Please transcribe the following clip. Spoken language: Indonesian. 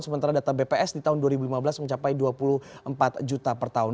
sementara data bps di tahun dua ribu lima belas mencapai dua puluh empat juta per tahun